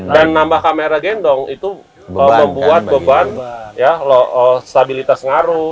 dan nambah kamera gendong itu membuat beban stabilitas ngaruh